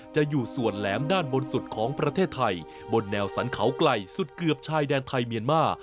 จะอยู่ส่วนแหลมด้านบนสุดของประเทศไทยบนแนวสรรเขาไกลสุดเกือบชายแดนไทยเมียนมา